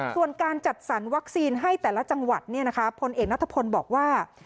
ส่วนการจัดสรรวัคซีนให้แต่ละจังหวัดพลเอกนัทพลบอกว่า